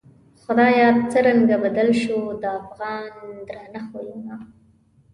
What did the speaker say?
خدایه څرنگه بدل شوو، د افغان درانه خویونه